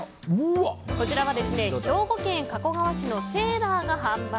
こちらは兵庫県加古川市のセーラーが販売。